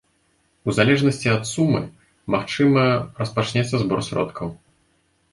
У залежнасці ад сумы, магчыма, распачнецца збор сродкаў.